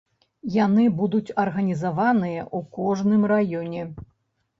Яны будуць арганізаваныя ў кожным раёне.